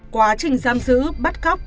quá trình giam giữ bắt cóc